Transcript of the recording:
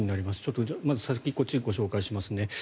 まずこっちをご紹介しますね。